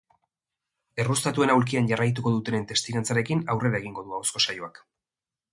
Erruztatuen aulkian jarraituko dutenen testigantzarekin aurrera egingo du ahozko saioak.